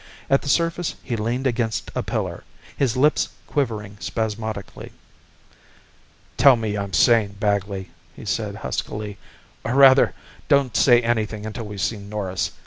At the surface he leaned against a pillar, his lips quivering spasmodically. "Tell me I'm sane, Bagley," he said huskily. "Or rather, don't say anything until we've seen Norris.